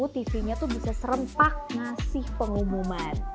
tv nya tuh bisa serempak ngasih pengumuman